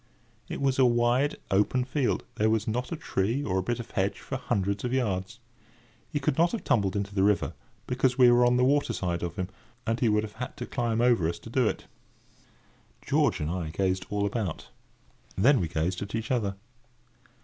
It was a wide, open field. There was not a tree or a bit of hedge for hundreds of yards. He could not have tumbled into the river, because we were on the water side of him, and he would have had to climb over us to do it. George and I gazed all about. Then we gazed at each other.